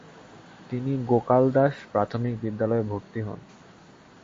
তিনি গোকাল দাস প্রাথমিক বিদ্যালয়ে ভর্তি হন।